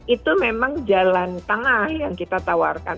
itu memang jalan tengah yang kita tawarkan